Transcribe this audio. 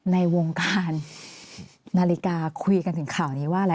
ในวงการนาฬิกาคุยกันถึงข่าวนี้ว่าอะไร